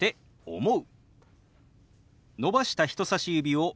「思う」。